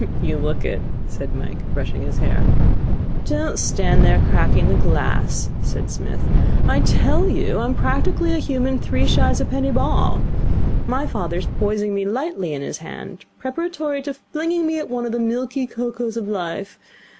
'You look it,' said Mike, brushing his hair. 'Don't stand there cracking the glass,' said Psmith. 'I tell you I am practically a human three shies a penny ball. My father is poising me lightly in his hand, preparatory to flinging me at one of the milky cocos of Life.